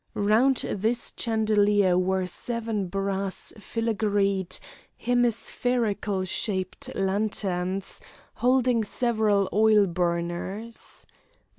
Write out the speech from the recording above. Round this chandelier were seven brass filagreed, hemispherical shaped lanterns, holding several oil burners.